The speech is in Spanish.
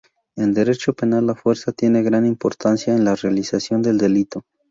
En Derecho penal la fuerza tiene gran importancia en la realización del delito.